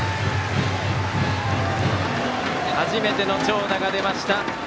初めての長打が出ました。